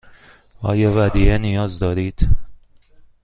آیا ودیعه نیاز دارید؟